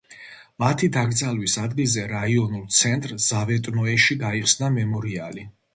მათი დაკრძალვის ადგილზე რაიონულ ცენტრ ზავეტნოეში გაიხსნა მემორიალი.